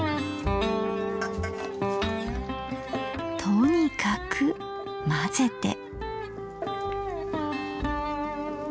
とにかく混ぜて。